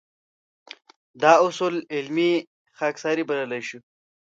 دا اصول علمي خاکساري بللی شو.